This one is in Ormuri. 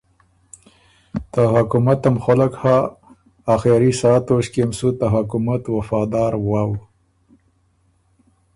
ته حکومتم خؤلک هۀ، آخېري ساه توݭکيې م سُو ته حکومت وفادار وؤ۔